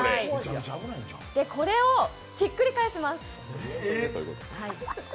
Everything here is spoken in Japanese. これをひっくり返します。